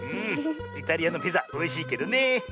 イタリアのピザおいしいけどね！